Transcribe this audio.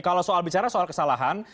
kalau soal bicara soal kesalahan